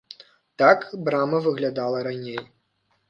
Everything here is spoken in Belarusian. Так брама выглядала раней.